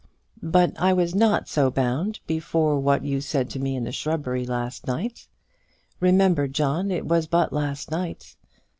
"But I was not so bound before what you said to me in the shrubbery last night? Remember, John, it was but last night.